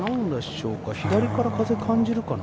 左から風、感じるかな。